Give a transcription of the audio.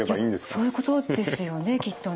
いやそういうことですよねきっとね。